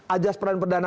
ajas peran perdana